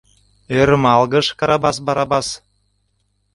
— ӧрмалгыш Карабас Барабас.